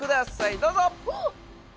どうぞ！